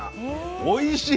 おいしい！